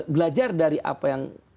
belajar dari apa yang